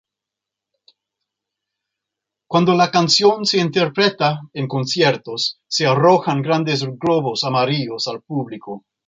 Cuando la canción se interpreta en conciertos, se arrojan grandes globos amarillos al público.